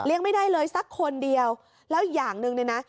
ไม่ได้เลยสักคนเดียวแล้วอย่างหนึ่งเนี่ยนะ